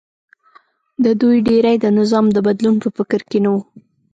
د دوی ډېری د نظام د بدلون په فکر کې نه و